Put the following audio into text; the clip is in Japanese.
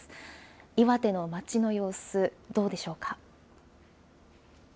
岩手の街の様子、どうでしょうか。